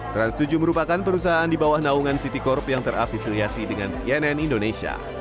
trans tujuh merupakan perusahaan di bawah naungan citicorp yang terafisiliasi dengan cnn indonesia